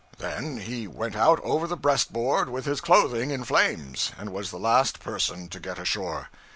Then he went out over the breast board with his clothing in flames, and was the last person to get ashore.